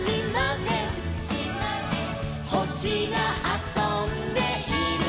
「ほしがあそんでいるのかな」